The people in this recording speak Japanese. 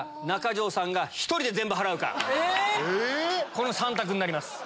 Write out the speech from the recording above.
この３択になります。